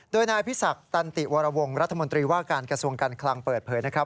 โดยนายพิศักดิ์ตันติวรวงรัฐมนตรีว่าการกระทรวงการคลังเปิดเผยนะครับ